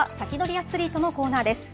アツリートのコーナーです。